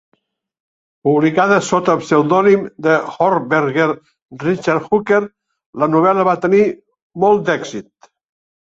Publicada sota el pseudònim de Hornberger, Richard Hooker, la novel·la va tenir molt d'èxit.